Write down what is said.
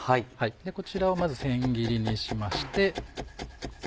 こちらをまず千切りにしまして。